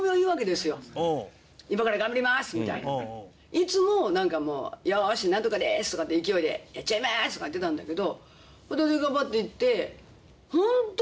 いつもなんかもう「よーしなんとかです」とかって勢いで「やっちゃいます！」とか言ってたんだけど。